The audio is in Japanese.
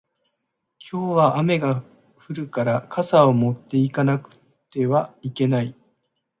今日は雨が降るから傘を持って行かなくてはいけない